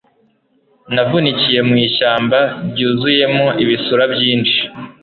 Navunikiye mu ishyamba ryuzuyemo ibisura byinshi,